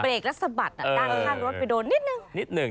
เบรกแล้วสะบัดน่ะด้านข้างรถไปโดนนิดหนึ่ง